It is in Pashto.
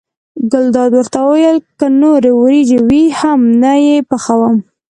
ګلداد ورته وویل که نورې وریجې وي هم نه یې پخوم.